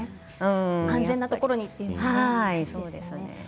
安全なところにということですね。